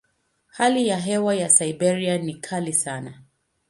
Hali ya hewa ya Siberia ni kali sana.